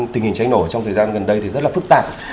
tình hình cháy nổ trong thời gian gần đây thì rất là phức tạp